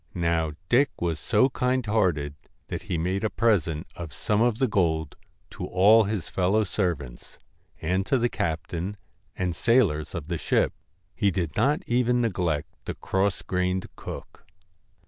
Now Dick was so kind hearted, that he made a present of some of the gold to all his fellow servants, and to the captain and sailors of the ship. He did not even neglect the cross grained cook.